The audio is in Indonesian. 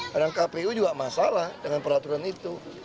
karena kpu juga masalah dengan peraturan itu